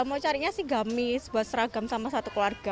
mau carinya sih gamis buat seragam sama satu keluarga